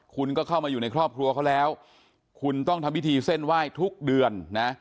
คุณก็เข้ามาอยู่ในครอบครัวเขาแล้วคุณต้องทำพิธีเส้นไหว้ทุกเดือนนะ